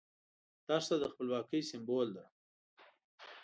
دښته د خپلواکۍ سمبول ده.